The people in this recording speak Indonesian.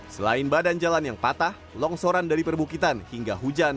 selain badan jalan yang patah longsoran dari perbukitan hingga hujan